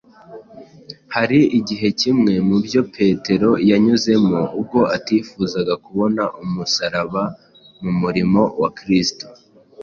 Hari igihe kimwe mu byo petero yanyuzemo ubwo atifuzaga kubona umusaraba mu murimo wa kristo.